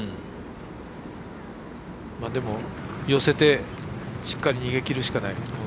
でも、寄せてしっかり逃げ切るしかない。